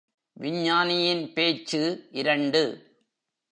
விஞ்ஞானியின் பேச்சு இரண்டு.